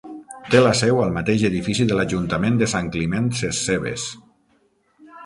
Té la seu al mateix edifici de l'Ajuntament de Sant Climent Sescebes.